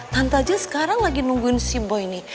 tante aja sekarang lagi nungguin si boy nih